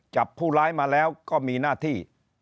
ผู้ร้ายมาแล้วก็มีหน้าที่